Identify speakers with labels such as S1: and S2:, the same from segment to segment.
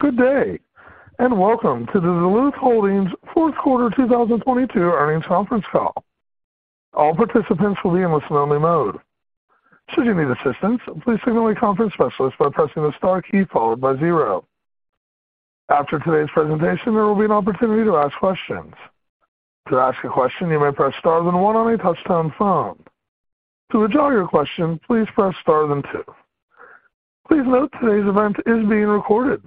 S1: Good day, and welcome to the Duluth Holdings fourth quarter 2022 earnings conference call. All participants will be in listen only mode. Should you need assistance, please signal a conference specialist by pressing the star key followed by zero. After today's presentation, there will be an opportunity to ask questions. To ask a question, you may press star then one on a touchtone phone. To withdraw your question, please press star then two. Please note today's event is being recorded.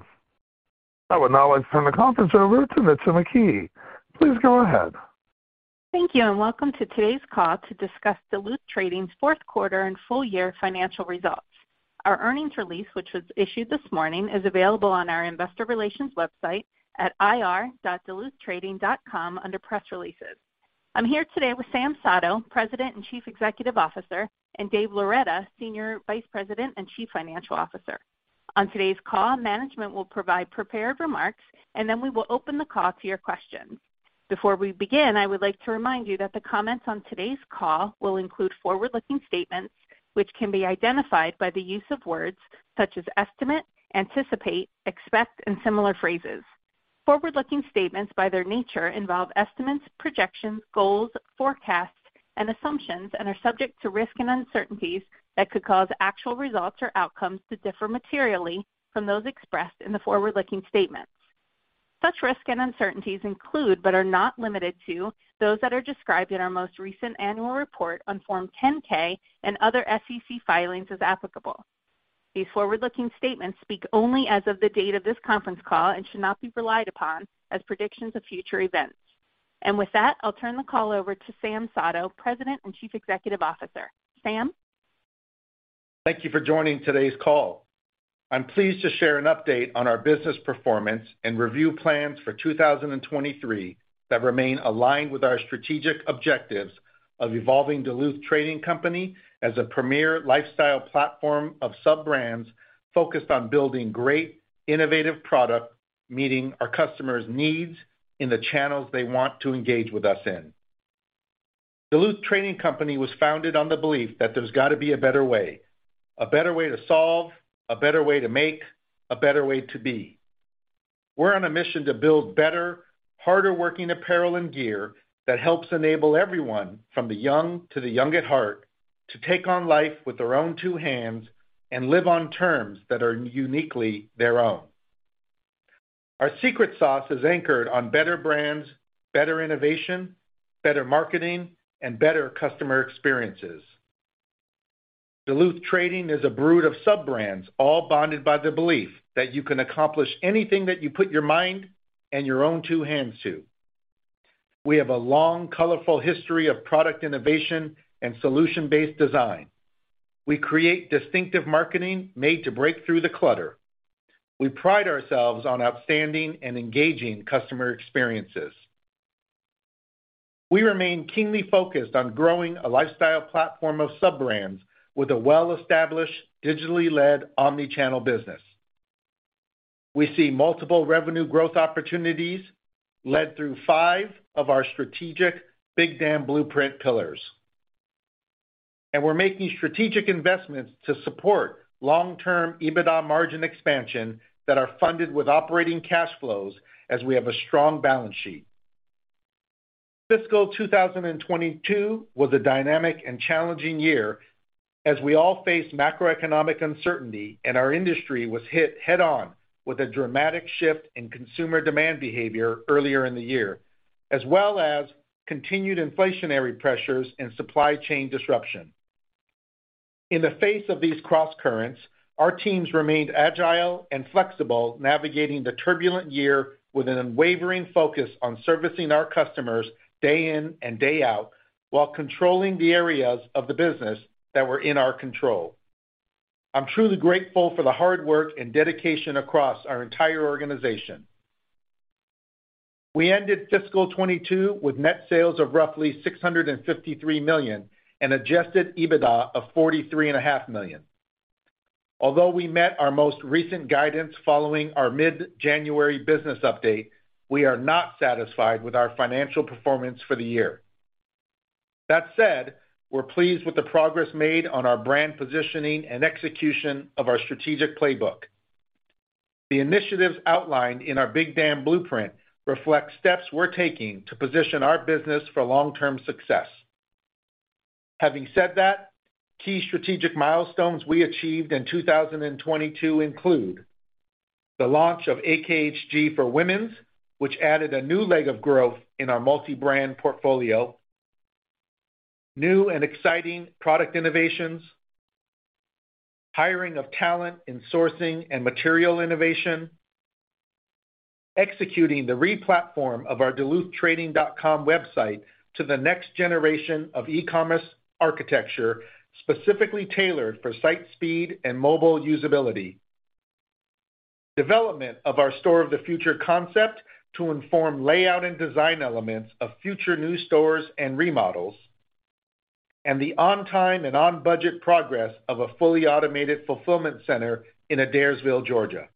S1: I would now like to turn the conference over to Nitza McKee. Please go ahead.
S2: Thank you, and welcome to today's call to discuss Duluth Trading's fourth quarter and full year financial results. Our earnings release, which was issued this morning, is available on our investor relations website at ir.duluthtrading.com under Press Releases. I'm here today with Sam Sato, President and Chief Executive Officer, and Dave Loretta, Senior Vice President and Chief Financial Officer. On today's call, management will provide prepared remarks, and then we will open the call to your questions. Before we begin, I would like to remind you that the comments on today's call will include forward-looking statements, which can be identified by the use of words such as estimate, anticipate, expect, and similar phrases. Forward-looking statements, by their nature, involve estimates, projections, goals, forecasts, and assumptions, and are subject to risks and uncertainties that could cause actual results or outcomes to differ materially from those expressed in the forward-looking statements. Such risks and uncertainties include, but are not limited to, those that are described in our most recent annual report on Form 10-K and other SEC filings, as applicable. These forward-looking statements speak only as of the date of this conference call and should not be relied upon as predictions of future events. With that, I'll turn the call over to Sam Sato, President and Chief Executive Officer. Sam.
S3: Thank you for joining today's call. I'm pleased to share an update on our business performance and review plans for 2023 that remain aligned with our strategic objectives of evolving Duluth Trading Company as a premier lifestyle platform of sub-brands focused on building great innovative product, meeting our customers' needs in the channels they want to engage with us in. Duluth Trading Company was founded on the belief that there's got to be a better way, a better way to solve, a better way to make, a better way to be. We're on a mission to build better, harder working apparel and gear that helps enable everyone from the young to the young at heart, to take on life with their own two hands and live on terms that are uniquely their own. Our secret sauce is anchored on better brands, better innovation, better marketing, and better customer experiences. Duluth Trading is a brood of sub-brands, all bonded by the belief that you can accomplish anything that you put your mind and your own two hands to. We have a long, colorful history of product innovation and solution-based design. We create distinctive marketing made to break through the clutter. We pride ourselves on outstanding and engaging customer experiences. We remain keenly focused on growing a lifestyle platform of sub-brands with a well-established, digitally led, omnichannel business. We see multiple revenue growth opportunities led through five of our strategic Big Dam Blueprint pillars. We're making strategic investments to support long-term EBITDA margin expansion that are funded with operating cash flows as we have a strong balance sheet. Fiscal 2022 was a dynamic and challenging year as we all faced macroeconomic uncertainty, our industry was hit head on with a dramatic shift in consumer demand behavior earlier in the year, as well as continued inflationary pressures and supply chain disruption. In the face of these crosscurrents, our teams remained agile and flexible, navigating the turbulent year with an unwavering focus on servicing our customers day in and day out, while controlling the areas of the business that were in our control. I'm truly grateful for the hard work and dedication across our entire organization. We ended fiscal 2022 with net sales of roughly $653 million and adjusted EBITDA of $43.5 million. Although we met our most recent guidance following our mid-January business update, we are not satisfied with our financial performance for the year. That said, we're pleased with the progress made on our brand positioning and execution of our strategic playbook. The initiatives outlined in our Big Dam Blueprint reflect steps we're taking to position our business for long-term success. Having said that, key strategic milestones we achieved in 2022 include the launch of AKHG for women's, which added a new leg of growth in our multi-brand portfolio. New and exciting product innovations. Hiring of talent in sourcing and material innovation. Executing the replatform of our duluthtrading.com website to the next generation of e-commerce architecture, specifically tailored for site speed and mobile usability. Development of our store of the future concept to inform layout and design elements of future new stores and remodels, and the on-time and on-budget progress of a fully automated fulfillment center in Adairsville, Georgia.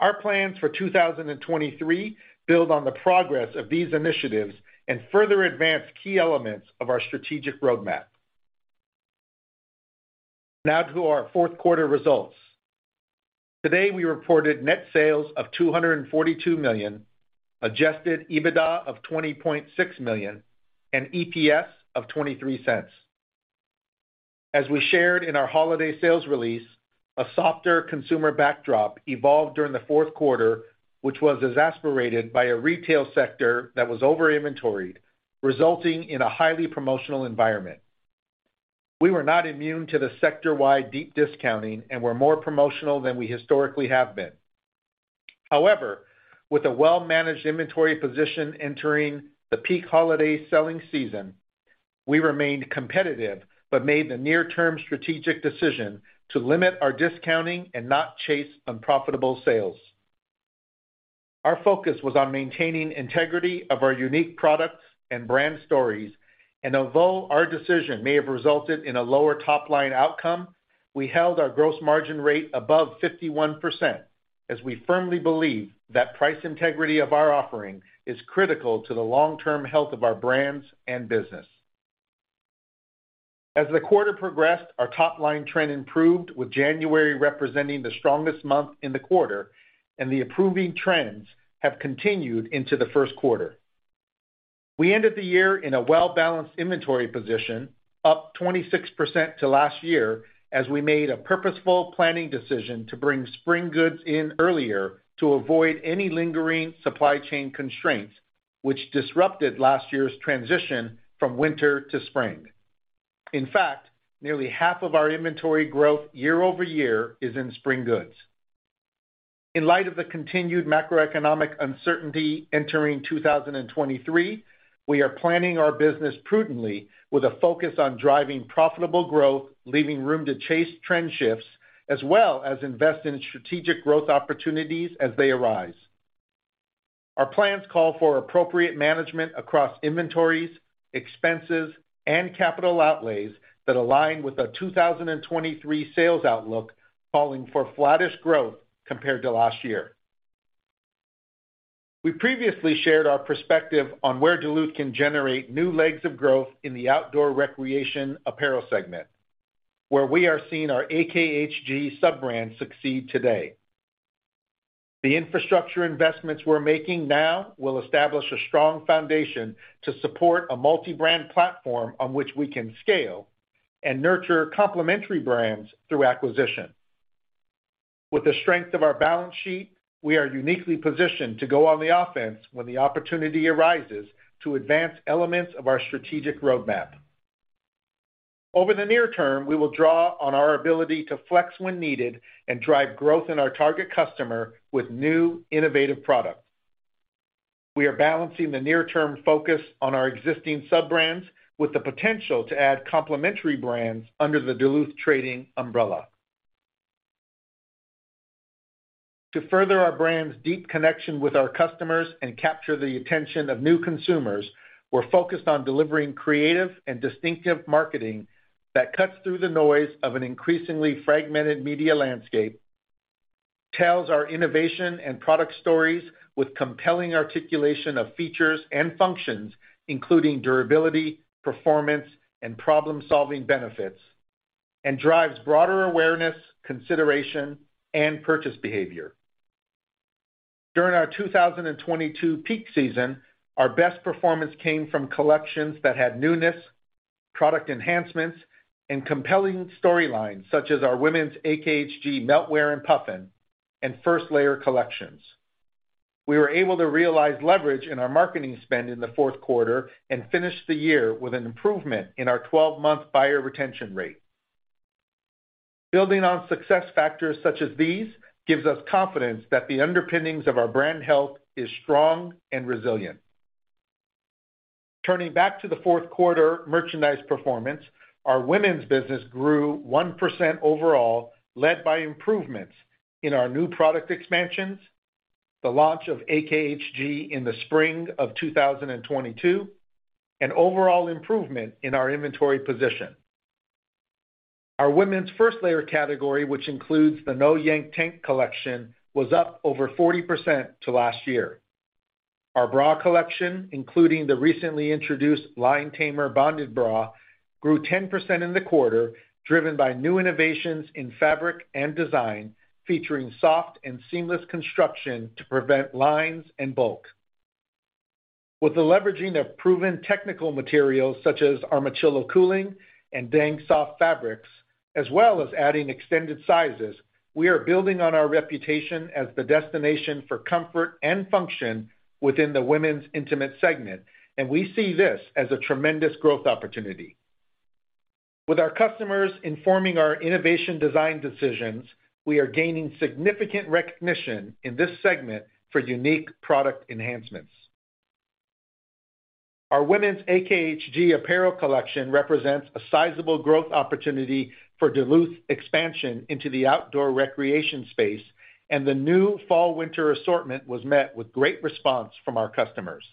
S3: Our plans for 2023 build on the progress of these initiatives and further advance key elements of our strategic roadmap. To our fourth quarter results. Today, we reported net sales of $242 million, adjusted EBITDA of $20.6 million, and EPS of $0.23. As we shared in our holiday sales release, a softer consumer backdrop evolved during the fourth quarter, which was exasperated by a retail sector that was over-inventoried, resulting in a highly promotional environment. We were not immune to the sector-wide deep discounting and were more promotional than we historically have been. However, with a well-managed inventory position entering the peak holiday selling season, we remained competitive but made the near-term strategic decision to limit our discounting and not chase unprofitable sales. Our focus was on maintaining integrity of our unique products and brand stories, and although our decision may have resulted in a lower top-line outcome, we held our gross margin rate above 51%, as we firmly believe that price integrity of our offering is critical to the long-term health of our brands and business. As the quarter progressed, our top-line trend improved, with January representing the strongest month in the quarter, and the improving trends have continued into the first quarter. We ended the year in a well-balanced inventory position, up 26% to last year, as we made a purposeful planning decision to bring spring goods in earlier to avoid any lingering supply chain constraints which disrupted last year's transition from winter to spring. In fact, nearly half of our inventory growth year-over-year is in spring goods. In light of the continued macroeconomic uncertainty entering 2023, we are planning our business prudently with a focus on driving profitable growth, leaving room to chase trend shifts, as well as invest in strategic growth opportunities as they arise. Our plans call for appropriate management across inventories, expenses, and capital outlays that align with our 2023 sales outlook, calling for flattish growth compared to last year. We previously shared our perspective on where Duluth can generate new legs of growth in the outdoor recreation apparel segment, where we are seeing our AKHG sub-brand succeed today. The infrastructure investments we're making now will establish a strong foundation to support a multi-brand platform on which we can scale and nurture complementary brands through acquisition. With the strength of our balance sheet, we are uniquely positioned to go on the offense when the opportunity arises to advance elements of our strategic roadmap. Over the near term, we will draw on our ability to flex when needed and drive growth in our target customer with new, innovative products. We are balancing the near-term focus on our existing sub-brands with the potential to add complementary brands under the Duluth Trading umbrella. To further our brand's deep connection with our customers and capture the attention of new consumers, we're focused on delivering creative and distinctive marketing that cuts through the noise of an increasingly fragmented media landscape, tells our innovation and product stories with compelling articulation of features and functions, including durability, performance, and problem-solving benefits, and drives broader awareness, consideration, and purchase behavior. During our 2022 peak season, our best performance came from collections that had newness, product enhancements, and compelling storylines, such Women's AKHG meltwater and Puffin, and First Layer collections. We were able to realize leverage in our marketing spend in the fourth quarter and finished the year with an improvement in our12-month buyer retention rate. Building on success factors such as these gives us confidence that the underpinnings of our brand health is strong and resilient. Turning back to the fourth quarter merchandise performance, our women's business grew 1% overall, led by improvements in our new product expansions, the launch of AKHG in the spring of 2022, and overall improvement in our inventory position. Our women's First Layer category, which includes the No-Yank Tank collection, was up over 40% to last year. Our bra collection, including the recently introduced Line Tamer bonded bra, grew 10% in the quarter, driven by new innovations in fabric and design featuring soft and seamless construction to prevent lines and bulk. With the leveraging of proven technical materials such as Armachillo Cooling and Dang Soft fabrics, as well as adding extended sizes, we are building on our reputation as the destination for comfort and function within the women's intimate segment. We see this as a tremendous growth opportunity. With our customers informing our innovation design decisions, we are gaining significant recognition in this segment for unique product Women's AKHG apparel collection represents a sizable growth opportunity for Duluth's expansion into the outdoor recreation space. The new fall/winter assortment was met with great response from our customers.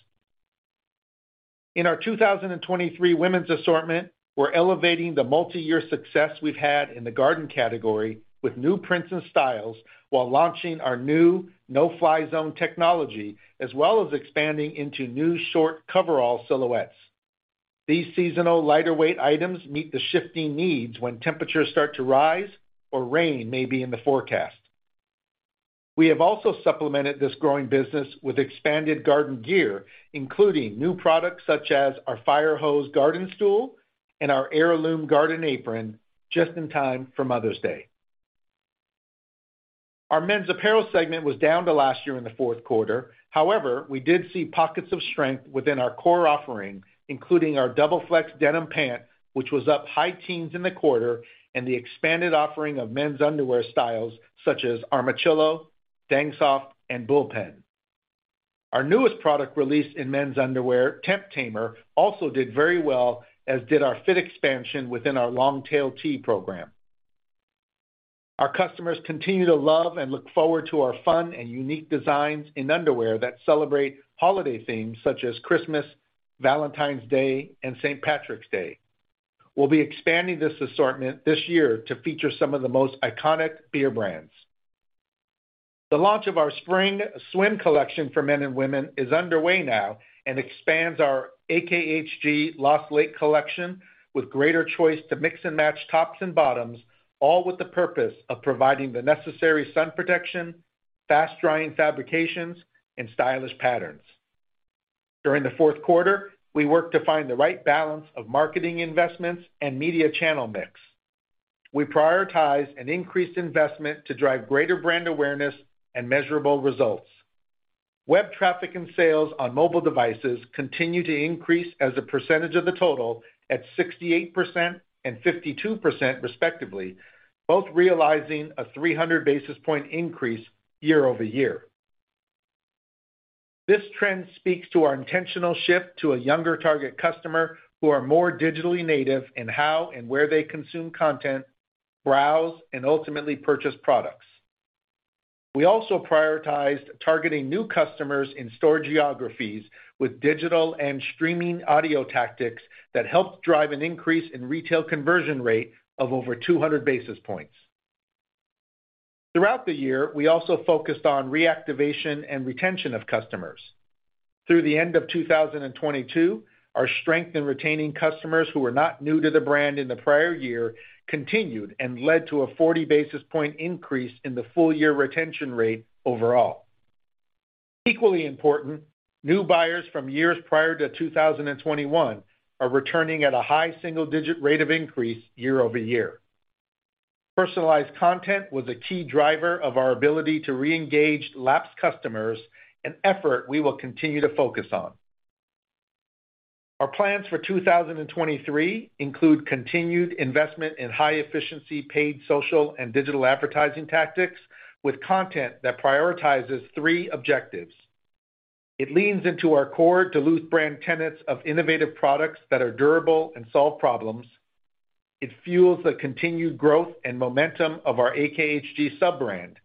S3: In our 2023 women's assortment, we're elevating the multi-year success we've had in the garden category with new prints and styles while launching our new No Fly Zone technology, as well as expanding into new short coverall silhouettes. These seasonal lighter-weight items meet the shifting needs when temperatures start to rise or rain may be in the forecast. We have also supplemented this growing business with expanded garden gear, including new products such as our Fire Hose garden stool and our Heirloom garden apron just in time for Mother's Day. Our men's apparel segment was down to last year in the fourth quarter. We did see pockets of strength within our core offering, including our Double Flex denim pant, which was up high teens in the quarter, and the expanded offering of men's underwear styles such as Armachillo, Dang Soft, and Bullpen. Our newest product release in men's underwear, Temp Tamer, also did very well, as did our fit expansion within our Longtail T program. Our customers continue to love and look forward to our fun and unique designs in underwear that celebrate holiday themes such as Christmas, Valentine's Day, and St. Patrick's Day. We'll be expanding this assortment this year to feature some of the most iconic beer brands. The launch of our spring swim collection for men and women is underway now and expands our AKHG Lost Lake collection with greater choice to mix and match tops and bottoms, all with the purpose of providing the necessary sun protection, fast-drying fabrications, and stylish patterns. During the fourth quarter, we worked to find the right balance of marketing investments and media channel mix. We prioritized an increased investment to drive greater brand awareness and measurable results. Web traffic and sales on mobile devices continue to increase as a percentage of the total at 68% and 52% respectively, both realizing a 300 basis point increase year-over-year. This trend speaks to our intentional shift to a younger target customer who are more digitally native in how and where they consume content, browse, and ultimately purchase products. We also prioritized targeting new customers in store geographies with digital and streaming audio tactics that help drive an increase in retail conversion rate of over 200 basis points. Throughout the year, we also focused on reactivation and retention of customers. Through the end of 2022, our strength in retaining customers who were not new to the brand in the prior year continued and led to a 40 basis point increase in the full year retention rate overall. Equally important, new buyers from years prior to 2021 are returning at a high single-digit rate of increase year-over-year. Personalized content was a key driver of our ability to reengage lapsed customers, an effort we will continue to focus on. Our plans for 2023 include continued investment in high efficiency paid social and digital advertising tactics with content that prioritizes three objectives. It leans into our core Duluth brand tenets of innovative products that are durable and solve problems. It fuels the continued growth and momentum of our AKHG sub-brand,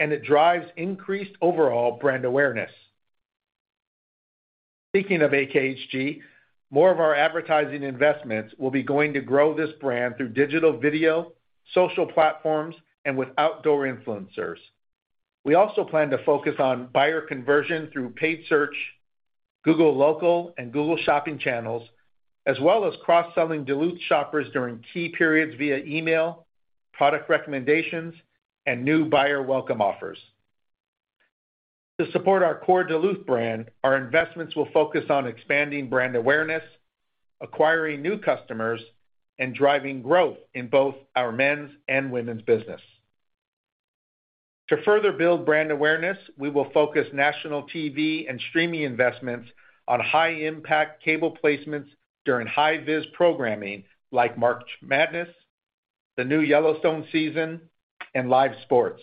S3: and it drives increased overall brand awareness. Speaking of AKHG, more of our advertising investments will be going to grow this brand through digital video, social platforms, and with outdoor influencers. We also plan to focus on buyer conversion through paid search, Google Local, and Google Shopping channels, as well as cross-selling Duluth shoppers during key periods via email, product recommendations, and new buyer welcome offers. To support our core Duluth brand, our investments will focus on expanding brand awareness, acquiring new customers, and driving growth in both our men's and women's business. To further build brand awareness, we will focus national TV and streaming investments on high impact cable placements during high vis programming like March Madness, the new Yellowstone season, and live sports.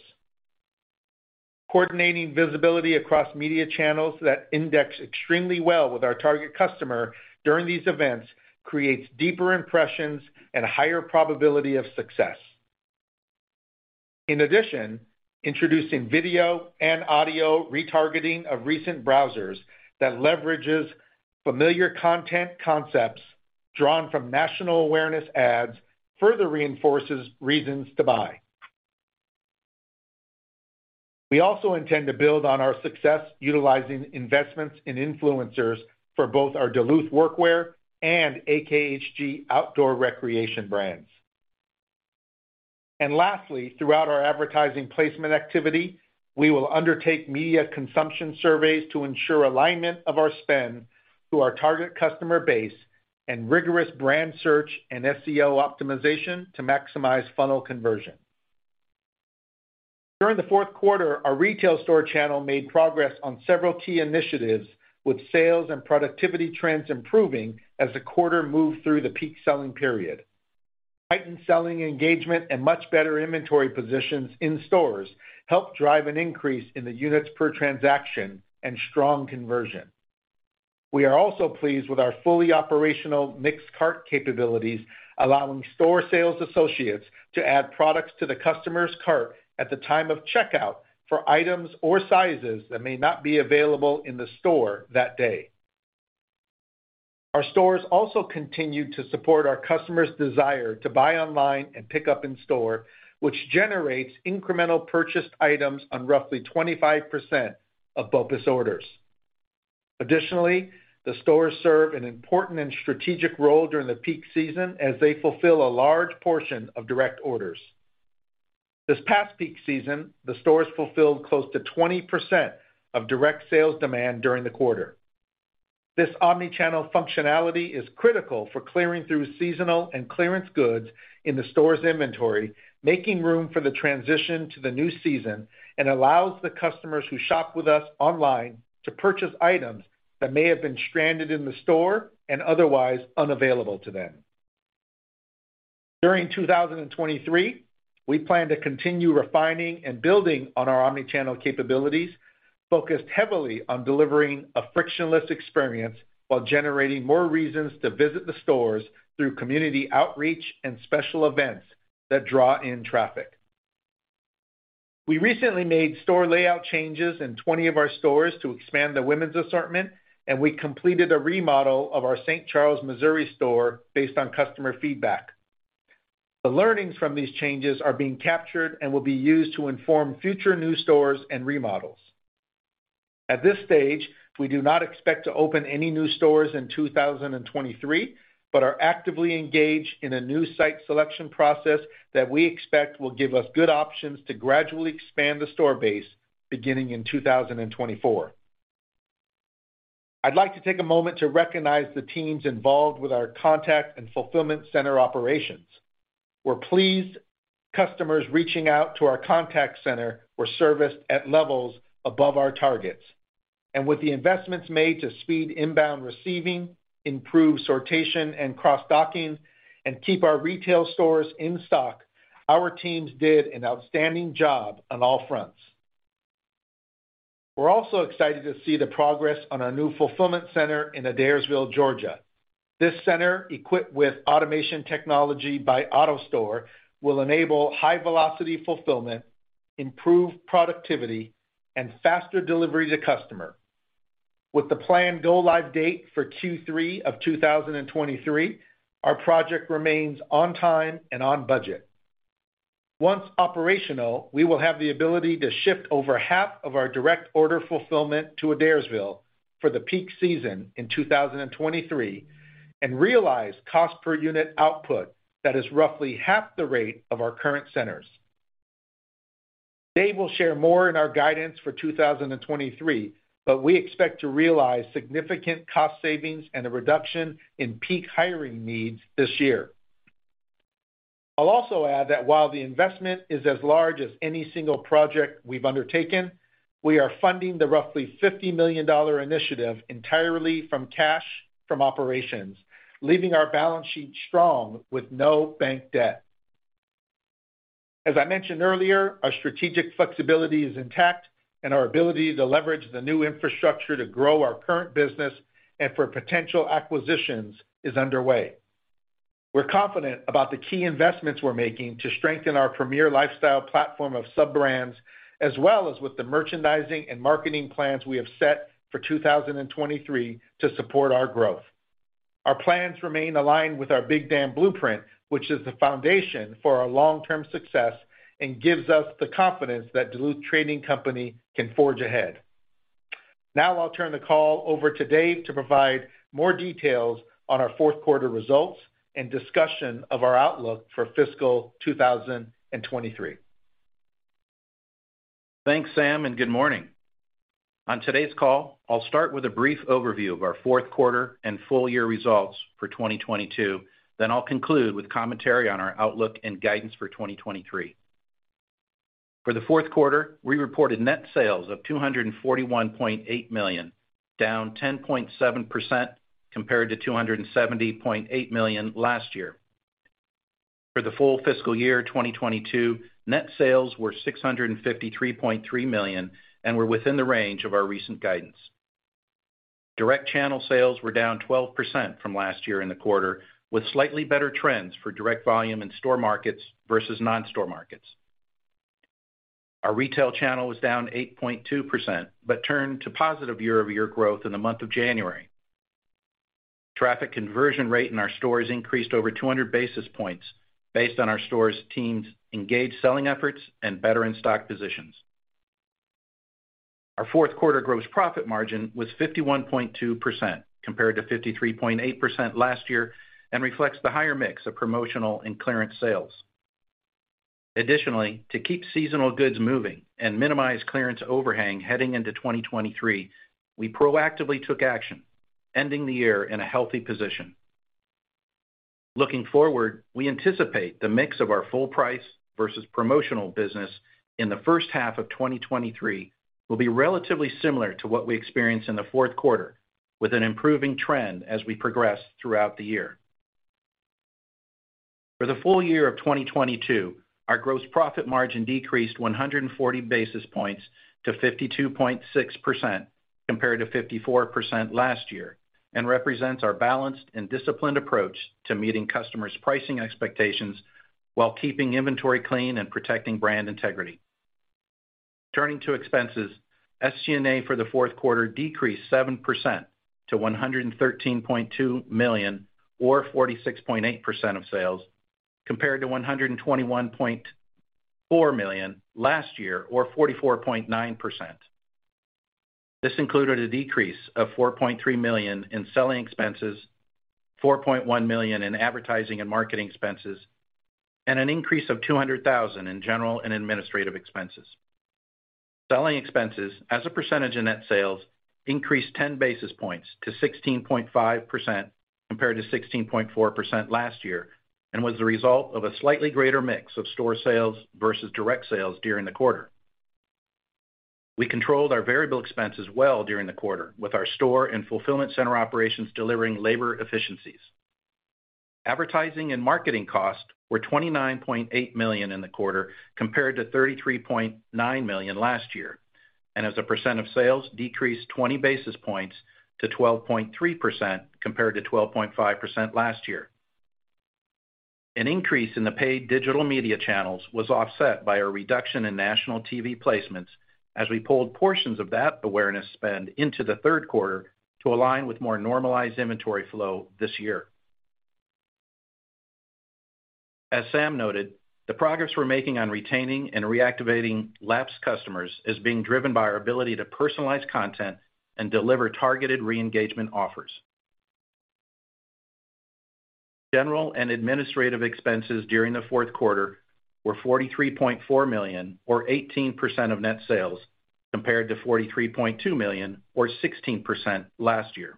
S3: Coordinating visibility across media channels that index extremely well with our target customer during these events creates deeper impressions and higher probability of success. In addition, introducing video and audio retargeting of recent browsers that leverages familiar content concepts drawn from national awareness ads further reinforces reasons to buy. We also intend to build on our success utilizing investments in influencers for both our Duluth workwear and AKHG outdoor recreation brands. Lastly, throughout our advertising placement activity, we will undertake media consumption surveys to ensure alignment of our spend to our target customer base and rigorous brand search and SEO optimization to maximize funnel conversion. During the fourth quarter, our retail store channel made progress on several key initiatives with sales and productivity trends improving as the quarter moved through the peak selling period. Heightened selling engagement and much better inventory positions in stores helped drive an increase in the units per transaction and strong conversion. We are also pleased with our fully operational mixed-cart capabilities, allowing store sales associates to add products to the customer's cart at the time of checkout for items or sizes that may not be available in the store that day. Our stores also continue to support our customers' desire to buy online and pick up in store, which generates incremental purchased items on roughly 25% of BOPUS orders. Additionally, the stores serve an important and strategic role during the peak season as they fulfill a large portion of direct orders. This past peak season, the stores fulfilled close to 20% of direct sales demand during the quarter. This omni-channel functionality is critical for clearing through seasonal and clearance goods in the store's inventory, making room for the transition to the new season, and allows the customers who shop with us online to purchase items that may have been stranded in the store and otherwise unavailable to them. During 2023, we plan to continue refining and building on our omni-channel capabilities, focused heavily on delivering a frictionless experience while generating more reasons to visit the stores through community outreach and special events that draw in traffic. We recently made store layout changes in 20 of our stores to expand the women's assortment, and we completed a remodel of our St. Charles, Missouri store based on customer feedback. The learnings from these changes are being captured and will be used to inform future new stores and remodels. At this stage, we do not expect to open any new stores in 2023, but are actively engaged in a new site selection process that we expect will give us good options to gradually expand the store base beginning in 2024. I'd like to take a moment to recognize the teams involved with our contact and fulfillment center operations. We're pleased customers reaching out to our contact center were serviced at levels above our targets. With the investments made to speed inbound receiving, improve sortation and cross-docking, and keep our retail stores in stock, our teams did an outstanding job on all fronts. We're also excited to see the progress on our new fulfillment center in Adairsville, Georgia. This center, equipped with automation technology by AutoStore, will enable high-velocity fulfillment, improved productivity, and faster delivery to customer. With the planned go-live date for Q3 of 2023, our project remains on time and on budget. Once operational, we will have the ability to shift over half of our direct order fulfillment to Adairsville for the peak season in 2023, and realize cost per unit output that is roughly half the rate of our current centers. Dave will share more in our guidance for 2023, but we expect to realize significant cost savings and a reduction in peak hiring needs this year. I'll also add that while the investment is as large as any single project we've undertaken, we are funding the roughly $50 million initiative entirely from cash from operations, leaving our balance sheet strong with no bank debt. As I mentioned earlier, our strategic flexibility is intact, and our ability to leverage the new infrastructure to grow our current business and for potential acquisitions is underway. We're confident about the key investments we're making to strengthen our premier lifestyle platform of sub-brands, as well as with the merchandising and marketing plans we have set for 2023 to support our growth. Our plans remain aligned with our Big Dam Blueprint, which is the foundation for our long-term success and gives us the confidence that Duluth Trading Company can forge ahead. I'll turn the call over to Dave to provide more details on our fourth quarter results and discussion of our outlook for fiscal 2023.
S4: Thanks, Sam. Good morning. On today's call, I'll start with a brief overview of our fourth quarter and full year results for 2022. I'll conclude with commentary on our outlook and guidance for 2023. For the fourth quarter, we reported net sales of $241.8 million, down 10.7% compared to $270.8 million last year. For the full fiscal year 2022, net sales were $653.3 million and were within the range of our recent guidance. Direct channel sales were down 12% from last year in the quarter, with slightly better trends for direct volume in store markets versus non-store markets. Our retail channel was down 8.2%, turned to positive year-over-year growth in the month of January. Traffic conversion rate in our stores increased over 200 basis points based on our stores teams' engaged selling efforts and better in-stock positions. Our fourth quarter gross profit margin was 51.2%, compared to 53.8% last year, and reflects the higher mix of promotional and clearance sales. To keep seasonal goods moving and minimize clearance overhang heading into 2023, we proactively took action, ending the year in a healthy position. Looking forward, we anticipate the mix of our full price versus promotional business in the first half of 2023 will be relatively similar to what we experienced in the fourth quarter, with an improving trend as we progress throughout the year. For the full year of 2022, our gross profit margin decreased 140 basis points to 52.6%, compared to 54% last year, and represents our balanced and disciplined approach to meeting customers' pricing expectations while keeping inventory clean and protecting brand integrity. Turning to expenses, SG&A for the fourth quarter decreased 7% to $113.2 million or 46.8% of sales, compared to $121.4 million last year, or 44.9%. This included a decrease of $4.3 million in selling expenses, $4.1 million in advertising and marketing expenses, and an increase of $200,000 in general and administrative expenses. Selling expenses as a percentage of net sales increased 10 basis points to 16.5%, compared to 16.4% last year, was the result of a slightly greater mix of store sales versus direct sales during the quarter. We controlled our variable expenses well during the quarter with our store and fulfillment center operations delivering labor efficiencies. Advertising and marketing costs were $29.8 million in the quarter, compared to $33.9 million last year, as a percent of sales decreased 20 basis points to 12.3% compared to 12.5% last year. An increase in the paid digital media channels was offset by a reduction in national TV placements as we pulled portions of that awareness spend into the third quarter to align with more normalized inventory flow this year. As Sam noted, the progress we're making on retaining and reactivating lapsed customers is being driven by our ability to personalize content and deliver targeted re-engagement offers. General and administrative expenses during the fourth quarter were $43.4 million or 18% of net sales, compared to $43.2 million or 16% last year.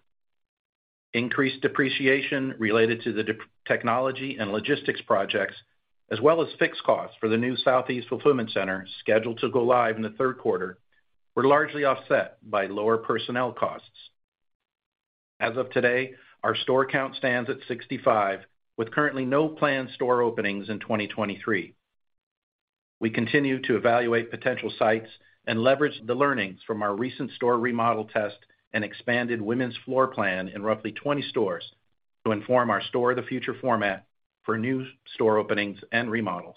S4: Increased depreciation related to the technology and logistics projects, as well as fixed costs for the new Southeast fulfillment center scheduled to go live in the third quarter were largely offset by lower personnel costs. As of today, our store count stands at 65, with currently no planned store openings in 2023. We continue to evaluate potential sites and leverage the learnings from our recent store remodel test and expanded women's floor plan in roughly 20 stores to inform our store of the future format for new store openings and remodels.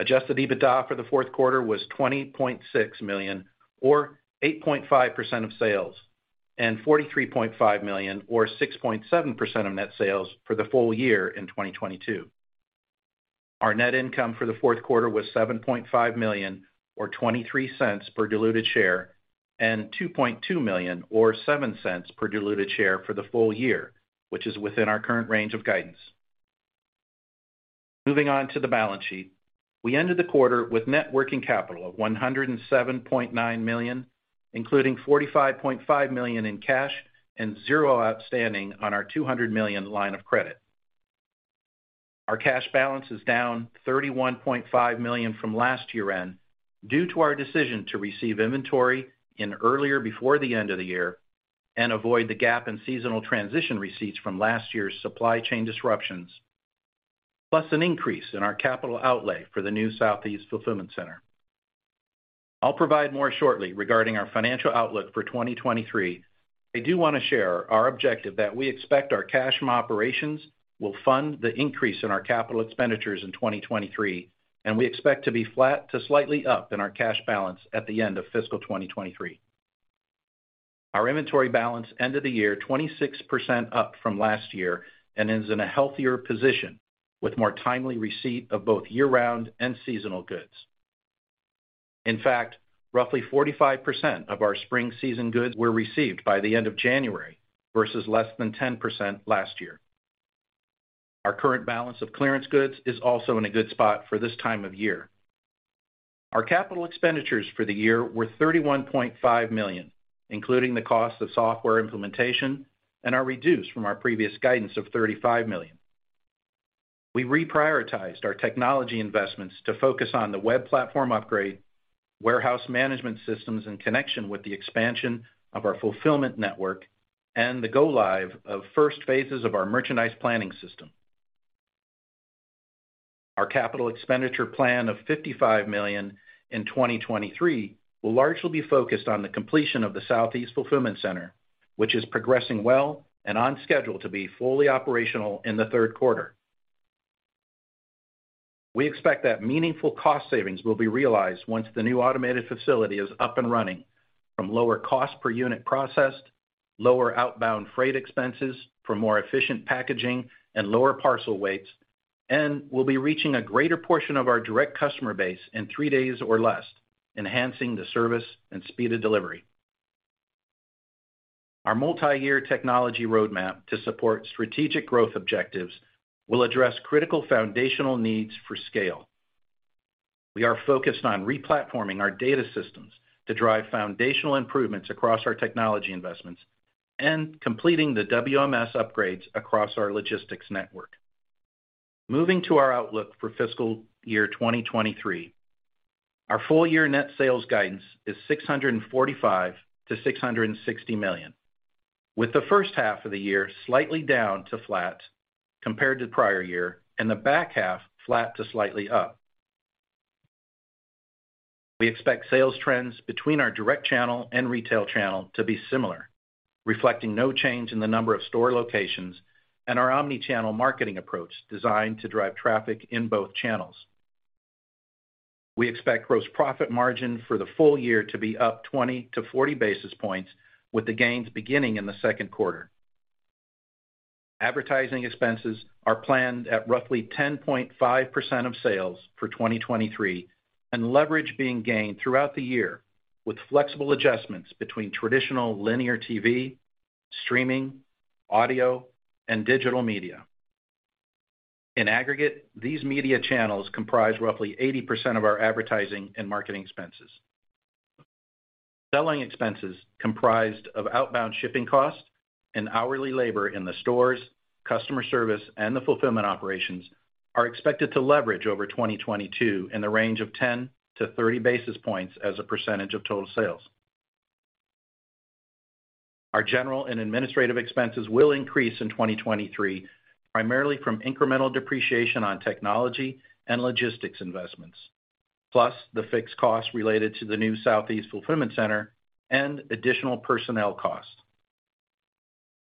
S4: Adjusted EBITDA for the fourth quarter was $20.6 million or 8.5% of sales, and $43.5 million or 6.7% of net sales for the full year in 2022. Our net income for the fourth quarter was $7.5 million or $0.23 per diluted share, and $2.2 million or $0.07 per diluted share for the full year, which is within our current range of guidance. Moving on to the balance sheet. We ended the quarter with net working capital of $107.9 million, including $45.5 million in cash and zero outstanding on our $200 million line of credit. Our cash balance is down $31.5 million from last year-end due to our decision to receive inventory in earlier before the end of the year and avoid the gap in seasonal transition receipts from last year's supply chain disruptions, plus an increase in our capital outlay for the new Southeast fulfillment center. I'll provide more shortly regarding our financial outlook for 2023. I do want to share our objective that we expect our cash from operations will fund the increase in our capital expenditures in 2023, and we expect to be flat to slightly up in our cash balance at the end of fiscal 2023. Our inventory balance end of the year, 26% up from last year and is in a healthier position with more timely receipt of both year-round and seasonal goods. In fact, roughly 45% of our spring season goods were received by the end of January versus less than 10% last year. Our current balance of clearance goods is also in a good spot for this time of year. Our capital expenditures for the year were $31.5 million, including the cost of software implementation and are reduced from our previous guidance of $35 million. We reprioritized our technology investments to focus on the web platform upgrade, warehouse management systems in connection with the expansion of our fulfillment network, and the go live of first phases of our merchandise planning system. Our capital expenditure plan of $55 million in 2023 will largely be focused on the completion of the Southeast fulfillment center, which is progressing well and on schedule to be fully operational in the third quarter. We expect that meaningful cost savings will be realized once the new automated facility is up and running from lower cost per unit processed, lower outbound freight expenses for more efficient packaging and lower parcel weights. We'll be reaching a greater portion of our direct customer base in three days or less, enhancing the service and speed of delivery. Our multi-year technology roadmap to support strategic growth objectives will address critical foundational needs for scale. We are focused on replatforming our data systems to drive foundational improvements across our technology investments and completing the WMS upgrades across our logistics network. Moving to our outlook for fiscal year 2023. Our full year net sales guidance is $645 million-$660 million, with the first half of the year slightly down to flat compared to the prior year and the back half flat to slightly up. We expect sales trends between our direct channel and retail channel to be similar, reflecting no change in the number of store locations and our omni-channel marketing approach designed to drive traffic in both channels. We expect gross profit margin for the full year to be up 20 basis points-40 basis points, with the gains beginning in the second quarter. Advertising expenses are planned at roughly 10.5% of sales for 2023, leverage being gained throughout the year with flexible adjustments between traditional linear TV, streaming, audio, and digital media. In aggregate, these media channels comprise roughly 80% of our advertising and marketing expenses. Selling expenses comprised of outbound shipping costs and hourly labor in the stores, customer service, and the fulfillment operations are expected to leverage over 2022 in the range of 10 basis points-30 basis points as a percent of total sales. Our general and administrative expenses will increase in 2023, primarily from incremental depreciation on technology and logistics investments, plus the fixed costs related to the new Southeast fulfillment center and additional personnel costs.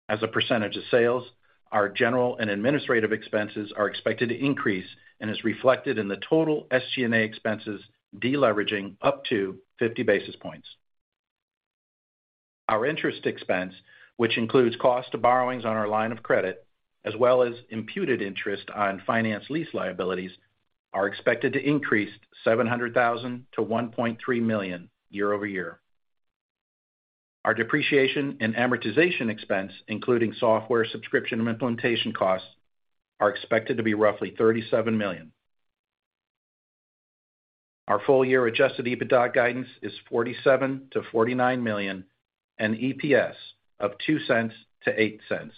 S4: As a perent of sales, our general and administrative expenses are expected to increase and is reflected in the total SG&A expenses deleveraging up to 50 basis points. Our interest expense, which includes cost to borrowings on our line of credit, as well as imputed interest on finance lease liabilities, are expected to increase $700,000-$1.3 million year-over-year. Our depreciation and amortization expense, including software subscription and implementation costs, are expected to be roughly $37 million. Our full year adjusted EBITDA guidance is $47 million-$49 million and EPS of $0.02-$0.08.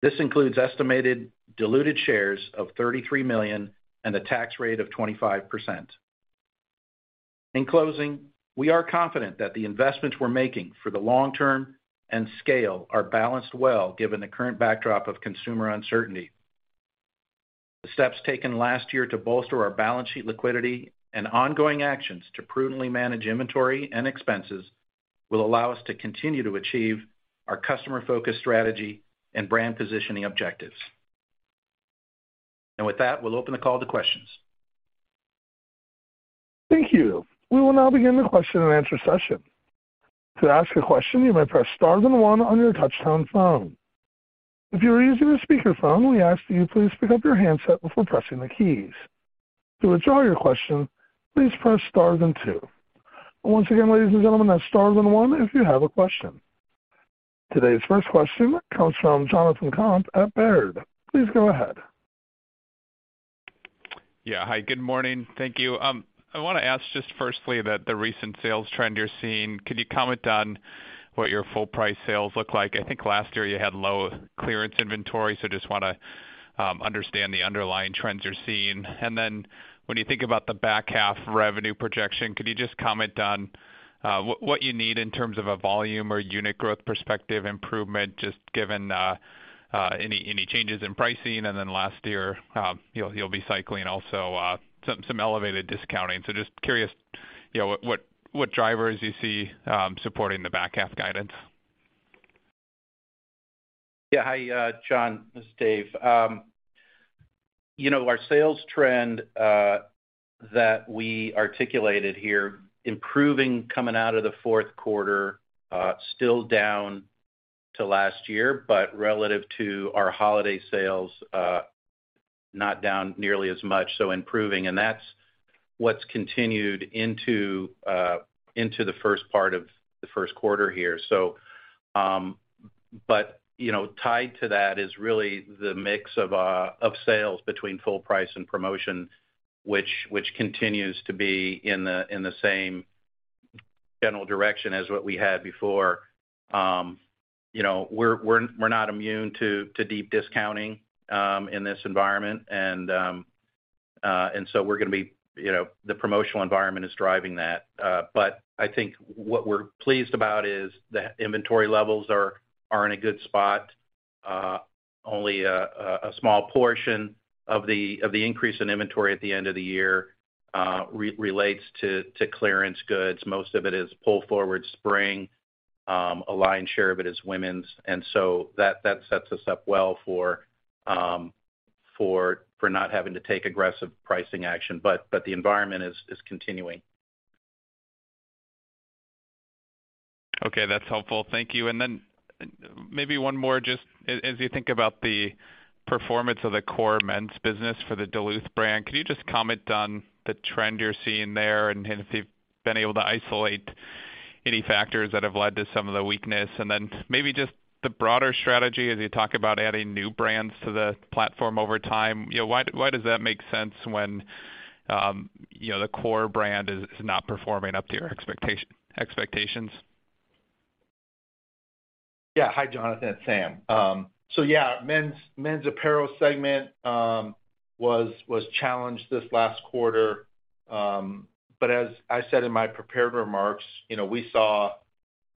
S4: This includes estimated diluted shares of 33 million and a tax rate of 25%. In closing, we are confident that the investments we're making for the long term and scale are balanced well given the current backdrop of consumer uncertainty. The steps taken last year to bolster our balance sheet liquidity and ongoing actions to prudently manage inventory and expenses will allow us to continue to achieve our customer focus strategy and brand positioning objectives. With that, we'll open the call to questions.
S1: Thank you. We will now begin the question and answer session. To ask a question, you may press star then one on your touch tone phone. If you are using a speaker phone, we ask that you please pick up your handset before pressing the keys. To withdraw your question, please press star then two. Once again, ladies and gentlemen, that's star then one if you have a question. Today's first question comes from Jonathan Komp at Baird. Please go ahead.
S5: Yeah. Hi, good morning. Thank you. I wanna ask just firstly that the recent sales trend you're seeing, could you comment on what your full price sales look like? I think last year you had low clearance inventory, just wanna understand the underlying trends you're seeing. When you think about the back half revenue projection, could you just comment on what you need in terms of a volume or unit growth perspective, improvement, just given any changes in pricing? Last year, you'll be cycling also some elevated discounting. Just curious, you know, what drivers you see supporting the back half guidance.
S4: Yeah. Hi, John. This is Dave. You know, our sales trend that we articulated here, improving coming out of the fourth quarter, still down to last year, but relative to our holiday sales, not down nearly as much, so improving. That's what's continued into the first part of the first quarter here. You know, tied to that is really the mix of sales between full price and promotion, which continues to be in the same general direction as what we had before. You know, we're not immune to deep discounting in this environment. You know, the promotional environment is driving that. I think what we're pleased about is that inventory levels are in a good spot. Only a small portion of the increase in inventory at the end of the year relates to clearance goods. Most of it is pull forward spring. A lion share of it is women's. That sets us up well for not having to take aggressive pricing action. The environment is continuing.
S5: Okay. That's helpful. Thank you. Maybe one more just as you think about the performance of the core men's business for the Duluth brand, could you just comment on the trend you're seeing there and if you've been able to isolate any factors that have led to some of the weakness? Maybe just the broader strategy as you talk about adding new brands to the platform over time. You know, why does that make sense when, you know, the core brand is not performing up to your expectations?
S3: Hi, Jonathan. It's Sam. Yeah, men's apparel segment was challenged this last quarter. As I said in my prepared remarks, you know, we saw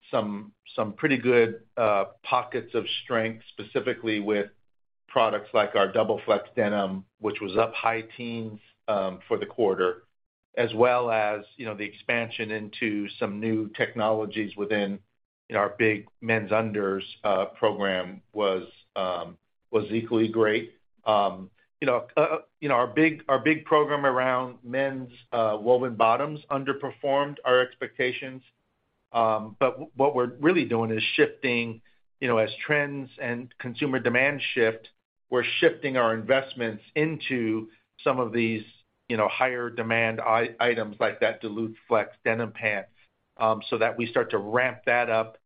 S3: some pretty good pockets of strength, specifically with products like our Double Flex denim, which was up high teens for the quarter, as well as, you know, the expansion into some new technologies within, you know, our big men's unders program was equally great. You know, our big program around men's woven bottoms underperformed our expectations. What we're really doing is shifting, you know, as trends and consumer demand shift, we're shifting our investments into some of these, you know, higher demand items like that Duluth Flex denim pant, so that we start to ramp that up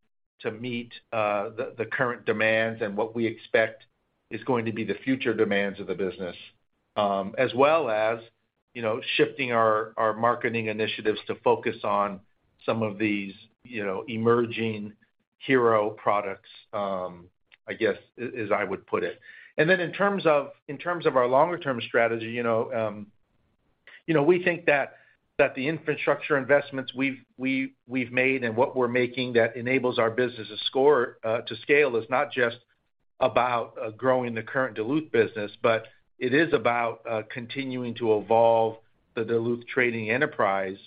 S3: to meet the current demands and what we expect is going to be the future demands of the business. As well as, you know, shifting our marketing initiatives to focus on some of these, you know, emerging hero products, I guess, as I would put it. In terms of our longer term strategy, you know, we think that the infrastructure investments we've made and what we're making that enables our business to scale is not just about growing the current Duluth business, but it is about continuing to evolve the Duluth Trading enterprise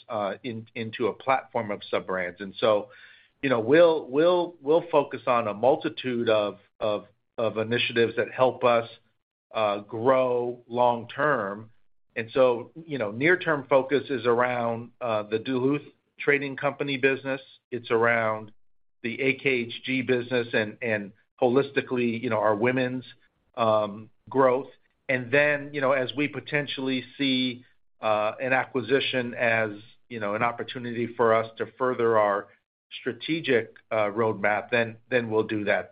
S3: into a platform of sub-brands. We'll focus on a multitude of initiatives that help us grow long term. Near-term focus is around the Duluth Trading Company business, it's around the AKHG business and holistically, you know, our women's growth. As we potentially see an acquisition as, you know, an opportunity for us to further our strategic roadmap, then we'll do that.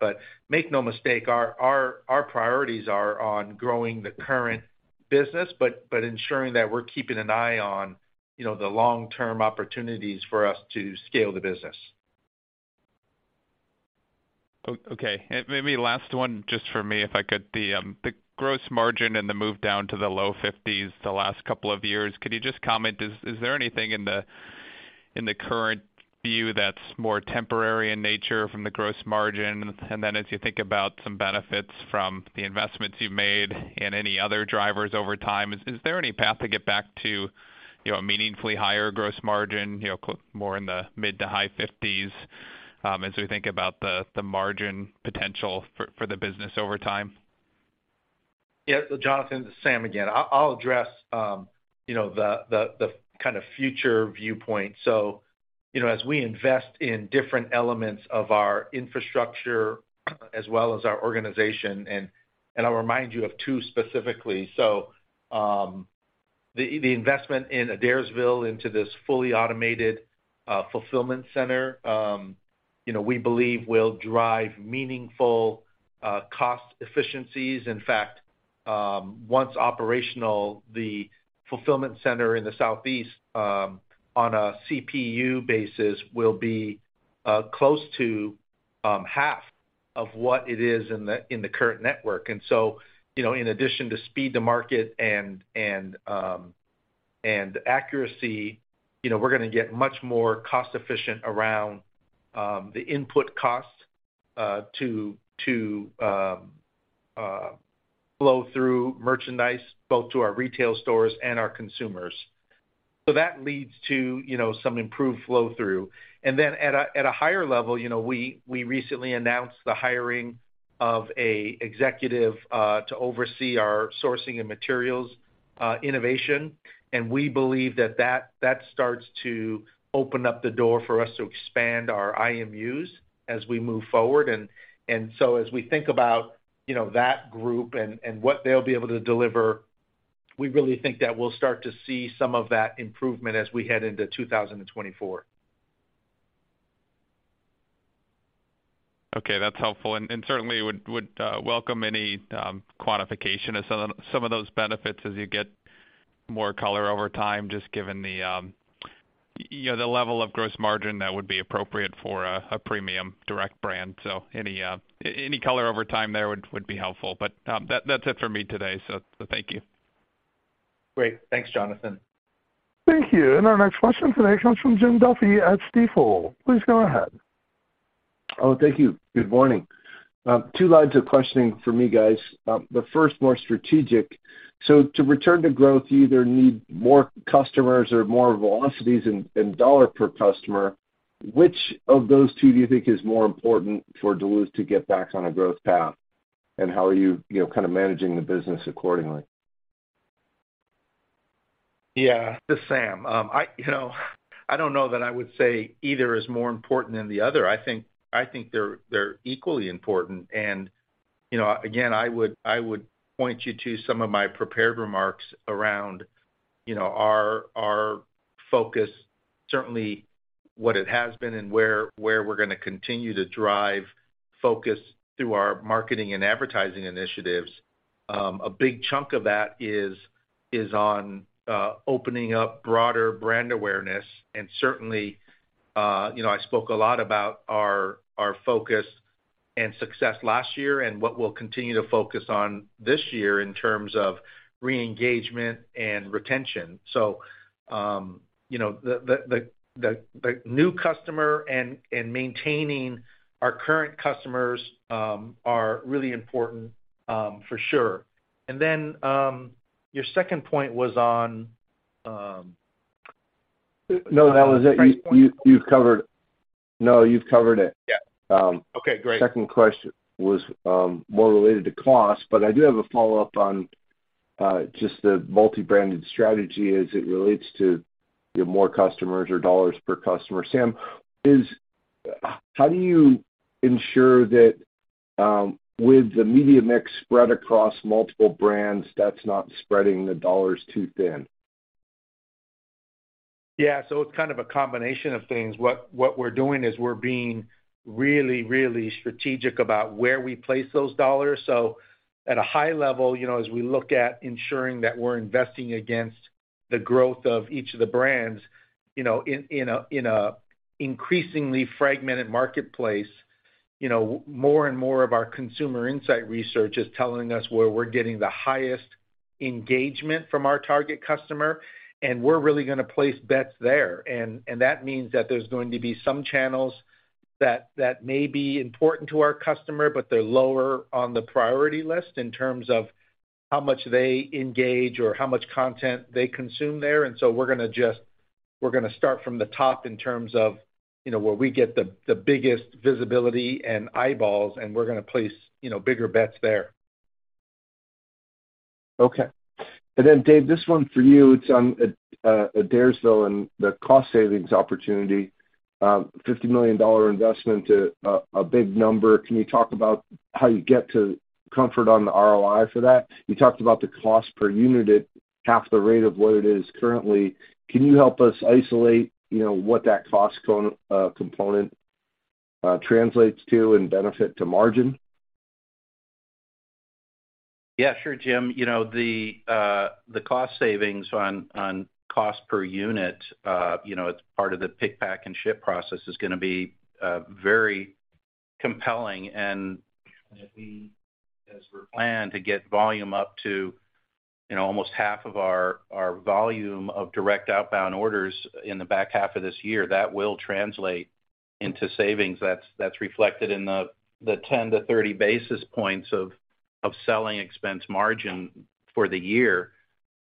S3: Make no mistake, our priorities are on growing the current business, but ensuring that we're keeping an eye on, you know, the long-term opportunities for us to scale the business.
S5: Okay. Maybe last one just for me, if I could. The gross margin and the move down to the low 50s% the last couple of years, could you just comment, is there anything in the current view that's more temporary in nature from the gross margin? As you think about some benefits from the investments you've made and any other drivers over time, is there any path to get back to, you know, a meaningfully higher gross margin, you know, more in the mid- to high 50s%, as we think about the margin potential for the business over time?
S3: Yeah. Jonathan, it's Sam again. I'll address, you know, the kind of future viewpoint. You know, as we invest in different elements of our infrastructure as well as our organization, I'll remind you of two specifically. The investment in Adairsville into this fully automated fulfillment center, you know, we believe will drive meaningful cost efficiencies. In fact, once operational, the fulfillment center in the southeast on a CPU basis will be close to half of what it is in the current network. You know, in addition to speed to market and accuracy, you know, we're gonna get much more cost efficient around the input costs to flow through merchandise both to our retail stores and our consumers. That leads to, you know, some improved flow through. At a higher level, you know, we recently announced the hiring of a executive to oversee our sourcing and materials innovation. We believe that starts to open up the door for us to expand our IMUs as we move forward. As we think about, you know, that group and what they'll be able to deliver, we really think that we'll start to see some of that improvement as we head into 2024.
S5: Okay, that's helpful. Certainly would welcome any quantification of some of those benefits as you get more color over time, just given the, you know, the level of gross margin that would be appropriate for a premium direct brand. Any color over time there would be helpful. That's it for me today. Thank you.
S3: Great. Thanks, Jonathan.
S1: Thank you. Our next question today comes from Jim Duffy at Stifel. Please go ahead.
S6: Thank you. Good morning. Two lines of questioning for me, guys. The first more strategic. To return to growth, you either need more customers or more velocities in dollar per customer. Which of those two do you think is more important for Duluth to get back on a growth path? How are you know, kind of managing the business accordingly?
S3: Yeah. This is Sam. I, you know, I don't know that I would say either is more important than the other. I think they're equally important. You know, again, I would point you to some of my prepared remarks around, you know, our focus, certainly what it has been and where we're gonna continue to drive focus through our marketing and advertising initiatives. A big chunk of that is on opening up broader brand awareness. Certainly, you know, I spoke a lot about our focus and success last year and what we'll continue to focus on this year in terms of re-engagement and retention. You know, the new customer and maintaining our current customers are really important for sure. Your second point was on.
S6: No, that was it. No, you've covered it.
S3: Yeah. Okay, great.
S6: Second question was more related to cost, but I do have a follow-up on just the multi-branded strategy as it relates to your more customers or dollars per customer. Sam, How do you ensure that, with the media mix spread across multiple brands, that's not spreading the dollars too thin?
S3: Yeah. It's kind of a combination of things. What we're doing is we're being really, really strategic about where we place those dollars. At a high level, you know, as we look at ensuring that we're investing against the growth of each of the brands, you know, in a increasingly fragmented marketplace, you know, more and more of our consumer insight research is telling us where we're getting the highest engagement from our target customer, and we're really gonna place bets there. That means that there's going to be some channels that may be important to our customer, but they're lower on the priority list in terms of how much they engage or how much content they consume there. We're gonna just, We're gonna start from the top in terms of, you know, where we get the biggest visibility and eyeballs, and we're gonna place, you know, bigger bets there.
S6: Okay. Dave, this one for you. It's on Adairsville and the cost savings opportunity. $50 million investment to a big number. Can you talk about how you get to comfort on the ROI for that? You talked about the cost per unit at half the rate of what it is currently. Can you help us isolate, you know, what that cost component translates to and benefit to margin?
S4: Yeah, sure, Jim. You know, the cost savings on cost per unit, you know, it's part of the pick, pack, and ship process, is gonna be very compelling. As we plan to get volume up to, you know, almost half of our volume of direct outbound orders in the back half of this year, that will translate into savings that's reflected in the 10 basis points-30 basis points of selling expense margin for the year.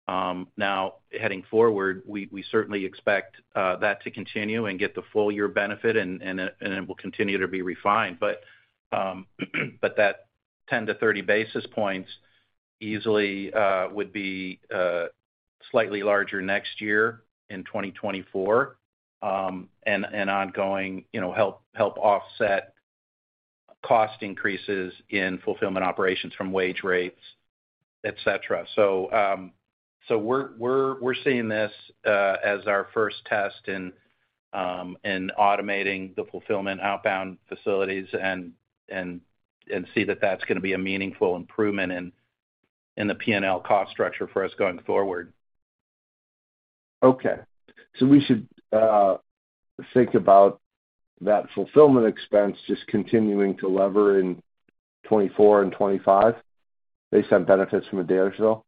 S4: Now heading forward, we certainly expect that to continue and get the full year benefit and it will continue to be refined. That 10 basis points-30 basis points easily would be slightly larger next year in 2024, and ongoing, you know, help offset cost increases in fulfillment operations from wage rates, et cetera. We're seeing this as our first test in automating the fulfillment outbound facilities and see that that's gonna be a meaningful improvement in the P&L cost structure for us going forward.
S6: Okay. We should think about that fulfillment expense just continuing to lever in 2024 and 2025 based on benefits from Adairsville?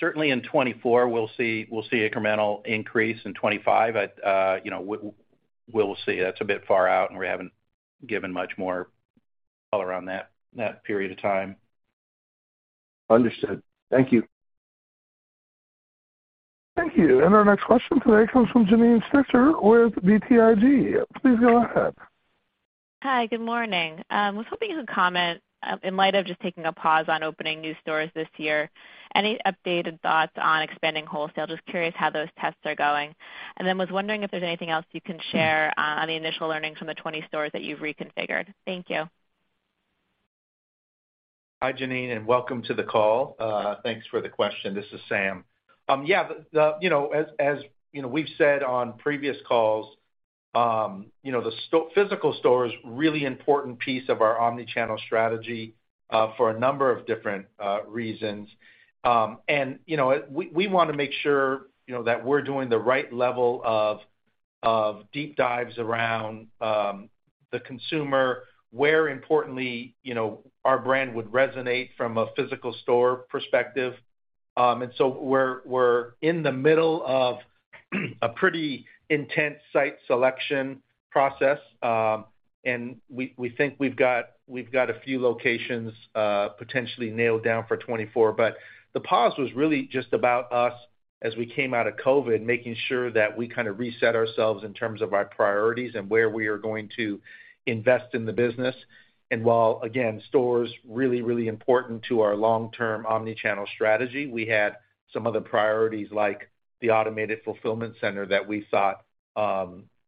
S4: Certainly in 2024, we'll see incremental increase in 2025. You know, we'll see. That's a bit far out, and we haven't given much more color around that period of time.
S6: Understood. Thank you.
S1: Thank you. Our next question today comes from Janine Stichter with BTIG. Please go ahead.
S7: Hi, good morning. Was hoping you could comment, in light of just taking a pause on opening new stores this year, any updated thoughts on expanding wholesale? Just curious how those tests are going. Was wondering if there's anything else you can share on the initial learnings from the 20 stores that you've reconfigured. Thank you.
S3: Hi, Janine, welcome to the call. Thanks for the question. This is Sam. Yeah, the, you know, as, you know, we've said on previous calls, you know, the physical store is really important piece of our omni-channel strategy for a number of different reasons. You know, we wanna make sure, you know, that we're doing the right level of deep dives around the consumer, where importantly, you know, our brand would resonate from a physical store perspective. We're in the middle of a pretty intense site selection process. We think we've got a few locations potentially nailed down for 2024. The pause was really just about us as we came out of COVID, making sure that we kind of reset ourselves in terms of our priorities and where we are going to invest in the business. While, again, stores really, really important to our long-term omni-channel strategy, we had some other priorities like the automated fulfillment center that we thought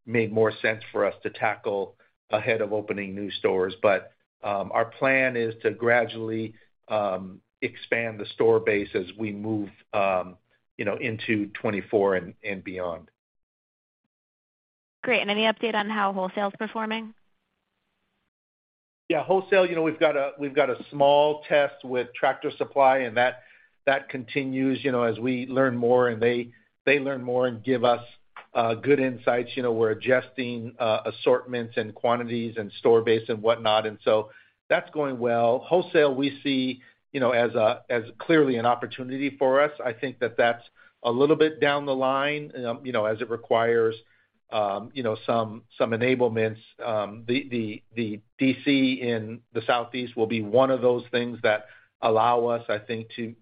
S3: made more sense for us to tackle ahead of opening new stores. Our plan is to gradually expand the store base as we move, you know, into 2024 and beyond.
S7: Great. Any update on how wholesale is performing?
S3: Wholesale, you know, we've got a small test with Tractor Supply and that continues, you know, as we learn more and they learn more and give us good insights. You know, we're adjusting assortments and quantities and store base and whatnot. So that's going well. Wholesale, we see, you know, as clearly an opportunity for us. I think that that's a little bit down the line, you know, as it requires some enablements. The DC in the southeast will be one of those things that allow us, I think, to,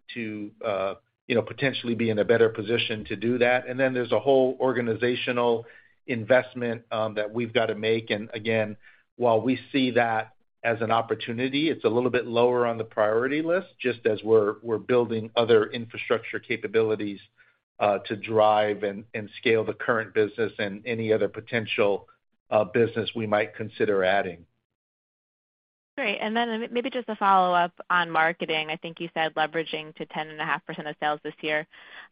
S3: you know, potentially be in a better position to do that. Then there's a whole organizational investment that we've gotta make. Again, while we see that as an opportunity, it's a little bit lower on the priority list, just as we're building other infrastructure capabilities to drive and scale the current business and any other potential business we might consider adding.
S7: Great. Then maybe just a follow-up on marketing. I think you said leveraging to 10.5% of sales this year.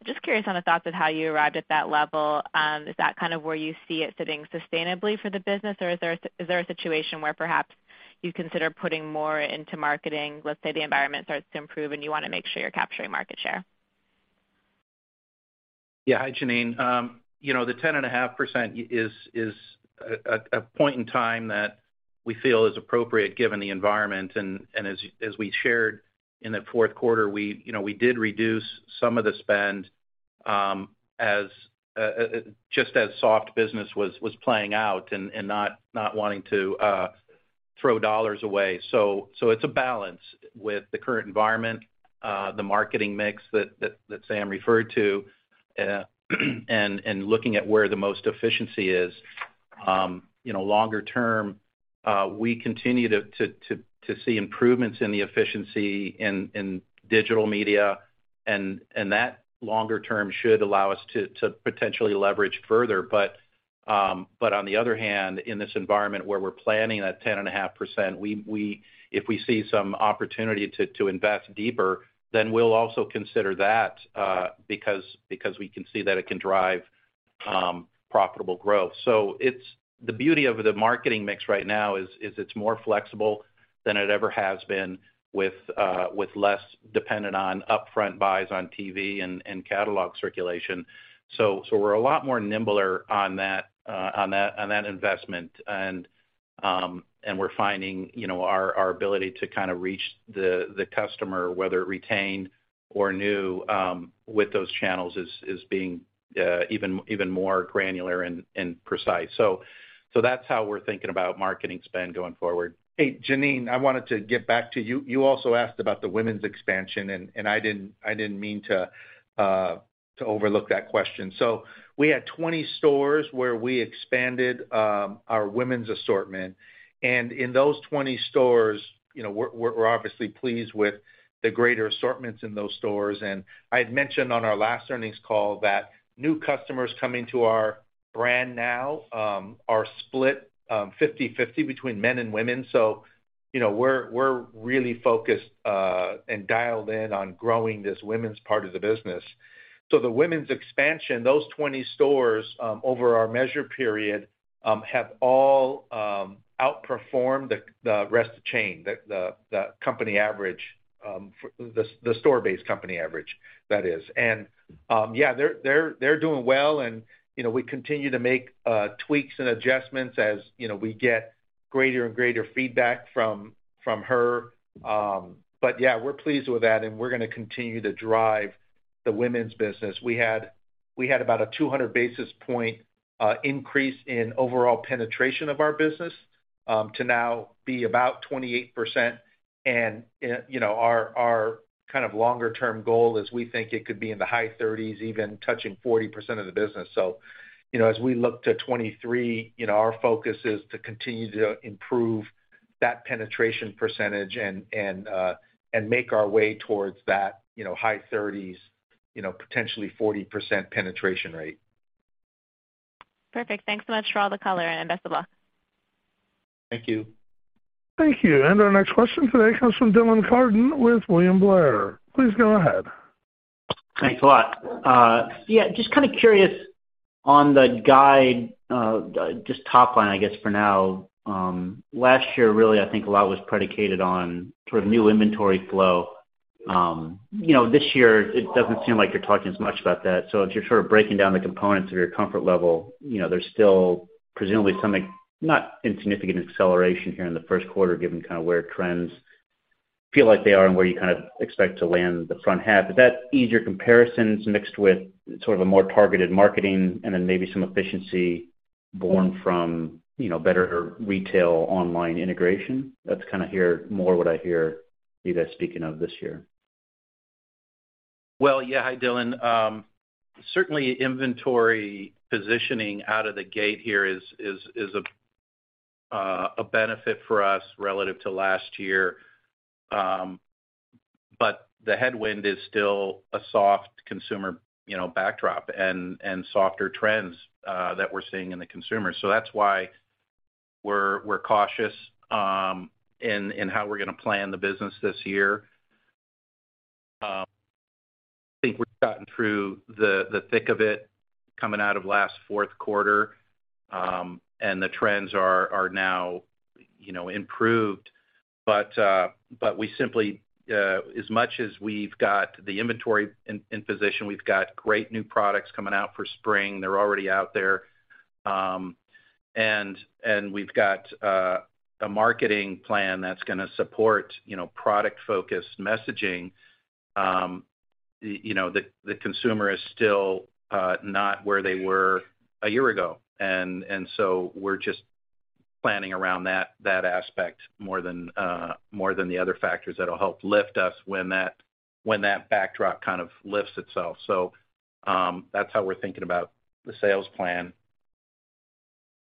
S7: Just curious on the thoughts of how you arrived at that level. Is that kind of where you see it sitting sustainably for the business, or is there a situation where perhaps you consider putting more into marketing, let's say the environment starts to improve and you wanna make sure you're capturing market share?
S8: Yeah. Hi, Janine. you know, the 10.5% is a point in time that we feel is appropriate given the environment. As we shared in the fourth quarter, we, you know, we did reduce some of the spend as just as soft business was playing out and not wanting to throw dollars away. It's a balance with the current environment, the marketing mix that Sam referred to, and looking at where the most efficiency is. you know, longer term, we continue to see improvements in the efficiency in digital media and that longer term should allow us to potentially leverage further.
S3: On the other hand, in this environment where we're planning at 10.5%, we if we see some opportunity to invest deeper, then we'll also consider that because we can see that it can drive profitable growth. The beauty of the marketing mix right now is it's more flexible than it ever has been with less dependent on upfront buys on TV and catalog circulation. We're a lot more nimbler on that investment. We're finding, you know, our ability to kind of reach the customer, whether retained or new, with those channels is being even more granular and precise. That's how we're thinking about marketing spend going forward. Hey, Janine, I wanted to get back to you. You also asked about the women's expansion, I didn't mean to overlook that question. We had 20 stores where we expanded our women's assortment. In those 20 stores, you know, we're obviously pleased with the greater assortments in those stores. I had mentioned on our last earnings call that new customers coming to our brand now are split 50/50 between men and women. You know, we're really focused and dialed in on growing this women's part of the business. The women's expansion, those 20 stores, over our measure period, have all outperformed the rest of chain, the company average. The store-based company average, that is. Yeah, they're, they're doing well, and, you know, we continue to make tweaks and adjustments as, you know, we get greater and greater feedback from her. Yeah, we're pleased with that, and we're gonna continue to drive the women's business. We had about a 200 basis point increase in overall penetration of our business to now be about 28%. You know, our kind of longer term goal is we think it could be in the high thirties, even touching 40% of the business. You know, as we look to 2023, you know, our focus is to continue to improve that penetration percentage and make our way towards that, you know, high thirties, you know, potentially 40% penetration rate.
S7: Perfect. Thanks so much for all the color, and best of luck.
S3: Thank you.
S1: Thank you. Our next question today comes from Dylan Carden with William Blair. Please go ahead.
S9: Thanks a lot. Yeah, just kinda curious on the guide, just top line, I guess, for now. Last year, really, I think a lot was predicated on sort of new inventory flow. You know, this year it doesn't seem like you're talking as much about that. As you're sort of breaking down the components of your comfort level, you know, there's still presumably something, not insignificant acceleration here in the first quarter, given kind of where trends feel like they are and where you kind of expect to land the front half. Is that easier comparisons mixed with sort of a more targeted marketing and then maybe some efficiency born from, you know, better retail online integration? That's kinda more what I hear you guys speaking of this year.
S8: Well, yeah. Hi, Dylan. Certainly inventory positioning out of the gate here is a benefit for us relative to last year. The headwind is still a soft consumer, you know, backdrop and softer trends that we're seeing in the consumer. That's why we're cautious in how we're gonna plan the business this year. I think we've gotten through the thick of it coming out of last fourth quarter, and the trends are now
S4: You know, improved. We simply, as much as we've got the inventory in position, we've got great new products coming out for spring. They're already out there. We've got a marketing plan that's gonna support, you know, product-focused messaging. You know, the consumer is still not where they were a year ago. We're just planning around that aspect more than more than the other factors that'll help lift us when that, when that backdrop kind of lifts itself. That's how we're thinking about the sales plan.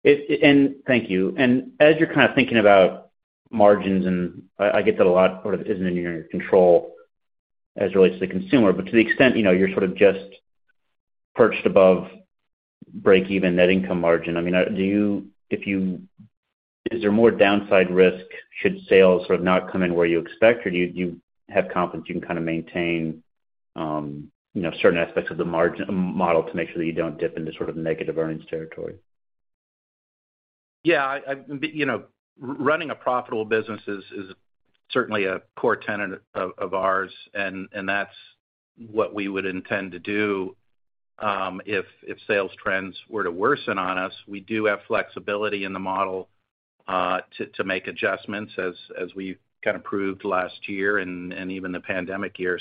S9: Thank you. As you're kind of thinking about margins, and I get that a lot sort of isn't in your control as it relates to the consumer, but to the extent, you know, you're sort of just perched above break-even net income margin, I mean, is there more downside risk should sales sort of not come in where you expect? Do you have confidence you can kind of maintain, you know, certain aspects of the margin model to make sure that you don't dip into sort of negative earnings territory?
S4: Yeah, you know, running a profitable business is certainly a core tenet of ours, and that's what we would intend to do. If sales trends were to worsen on us, we do have flexibility in the model, to make adjustments as we kind of proved last year and even the pandemic year.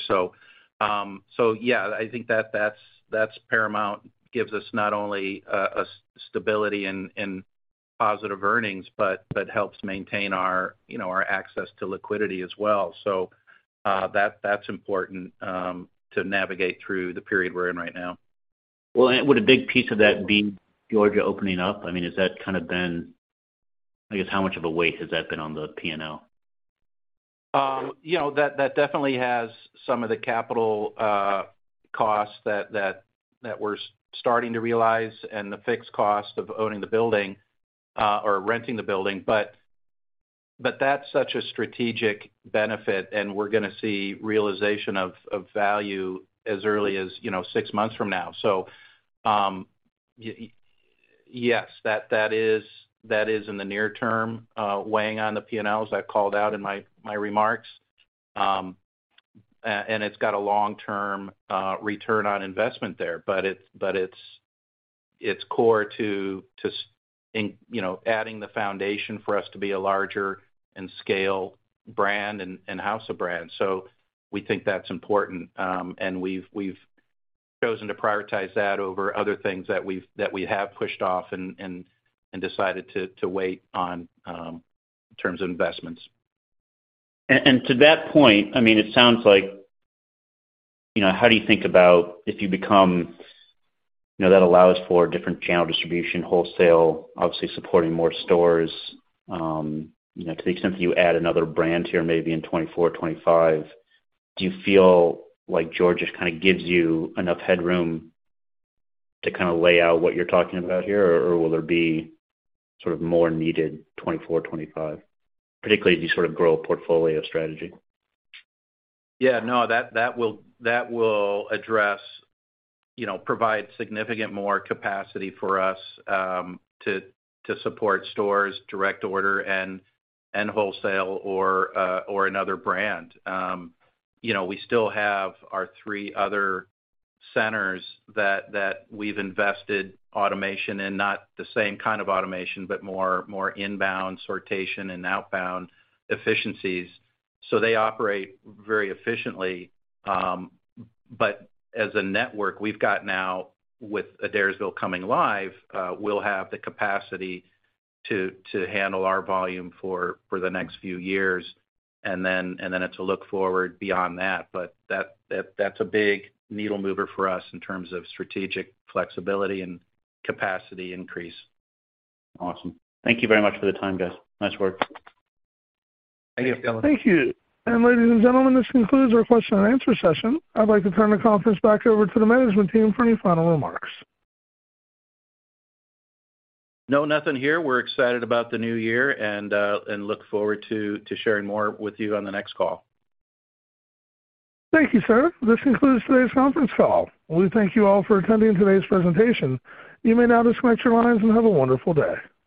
S4: Yeah, I think that's paramount. Gives us not only a stability in positive earnings but helps maintain our, you know, our access to liquidity as well. That's important, to navigate through the period we're in right now.
S9: Well, would a big piece of that be Georgia opening up? I mean, I guess, how much of a weight has that been on the P&L?
S4: You know, that definitely has some of the capital costs that we're starting to realize and the fixed cost of owning the building or renting the building. That's such a strategic benefit, and we're gonna see realization of value as early as, you know, six months from now. Yes, that is in the near term weighing on the P&Ls I've called out in my remarks. And it's got a long-term return on investment there. But it's core to you know, adding the foundation for us to be a larger and scale brand and house a brand. We think that's important. We've chosen to prioritize that over other things that we have pushed off and decided to wait on, in terms of investments.
S9: To that point, I mean, it sounds like, you know, how do you think about if you become, you know, that allows for different channel distribution, wholesale, obviously supporting more stores, you know, to the extent that you add another brand here maybe in 2024, 2025. Do you feel like Georgia kind of gives you enough headroom to kinda lay out what you're talking about here, or will there be sort of more needed 2024, 2025, particularly as you sort of grow a portfolio strategy?
S4: Yeah. No, that will address, you know, provide significant more capacity for us to support stores, direct order, and wholesale or another brand. You know, we still have our three other centers that we've invested automation in, not the same kind of automation, but more inbound sortation and outbound efficiencies. They operate very efficiently. As a network, we've got now, with Adairsville coming live, we'll have the capacity to handle our volume for the next few years and then it's a look forward beyond that. That's a big needle mover for us in terms of strategic flexibility and capacity increase.
S9: Awesome. Thank you very much for the time, guys. Nice work.
S4: Thank you.
S1: Thank you. Ladies and gentlemen, this concludes our question and answer session. I'd like to turn the conference back over to the management team for any final remarks.
S4: No, nothing here. We're excited about the new year and look forward to sharing more with you on the next call.
S1: Thank you, sir. This concludes today's conference call. We thank you all for attending today's presentation. You may now disconnect your lines and have a wonderful day.